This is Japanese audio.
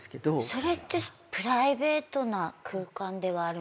それってプライベートな空間ではあるんですか？